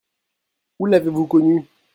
Où l'avez-vous connue ?